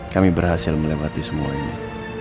kami berhasil melepati semuanya